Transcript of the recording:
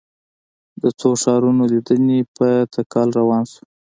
د څو ښارونو لیدنې په تکل روان شوو.